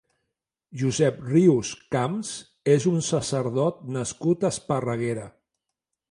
Josep Rius-Camps és un sacerdot nascut a Esparreguera.